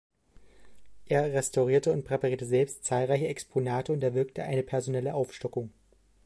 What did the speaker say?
Er restaurierte und präparierte selbst zahlreiche Exponate und erwirkte eine personelle Aufstockung.